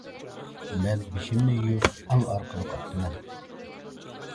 مەن بېشىمنى يۇيۇپ ئەڭ ئارقىدا قاپتىمەن.